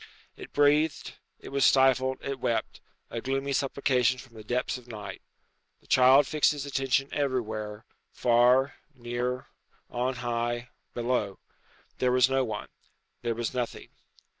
It breathed, it was stifled, it wept, a gloomy supplication from the depths of night. The child fixed his attention everywhere, far, near, on high, below. There was no one. There was nothing.